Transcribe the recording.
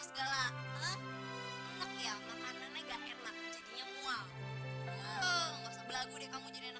siang lagi ngapain sih kamu pakai minta disini segala jijik tau melihatnya